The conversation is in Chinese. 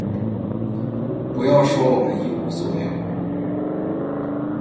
不要说我们一无所有，